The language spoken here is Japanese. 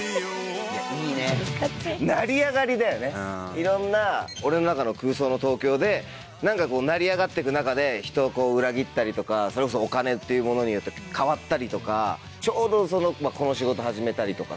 いろんな俺の中の空想の東京で何かこう成り上がってく中で人を裏切ったりとかそれこそお金っていうものによって変わったりとかちょうどこの仕事始めたりとかさ